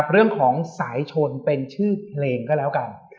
เรื่องของสายชนเป็นชื่อเพลงก็แล้วกัน